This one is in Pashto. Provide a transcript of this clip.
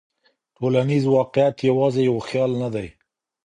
ټولنیز واقعیت یوازې یو خیال نه دی.